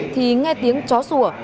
thì nghe tiếng chó sùa